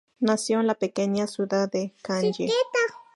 Nació en la pequeña ciudad de Kanye.